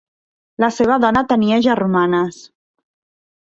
La seva dona tenia germanes.